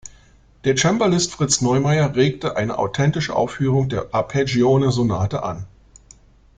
Der Cembalist Fritz Neumeyer regte eine authentische Aufführung der Arpeggione-Sonate an.